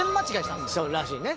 そうらしいね。